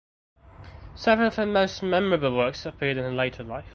Several of her most memorable works appeared in her later life.